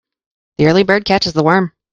The early bird catches the worm.